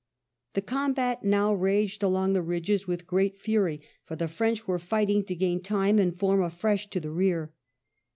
The combat now raged along the ridges with great fury, for the French were fighting to gain time and form afresh to the rear.